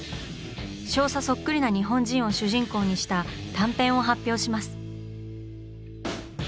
少佐そっくりな日本人を主人公にした短編を発表します。